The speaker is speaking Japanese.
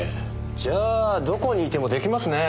じゃあどこにいても出来ますねえ。